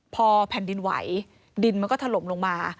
พอแผ่นดินไหวดินมันก็ถล่มลงมา